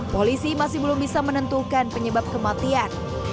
polisi masih belum bisa menentukan penyebab kematian